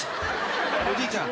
おじいちゃん。